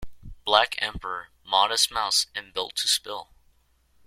Black Emperor, Modest Mouse and Built to Spill.